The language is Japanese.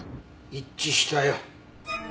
一致したよ。